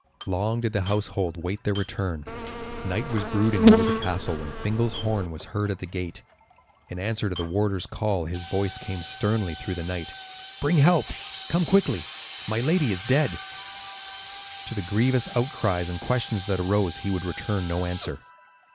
Long did the household wait their return. Night was brooding: over the castle when Fingal's horn was heard at the gate. In answer to the warder's call his voice came sternly through the night: "Bring help, and come quickly; my lady is dead." To the grievous outcries and questions that arose he would return no answer.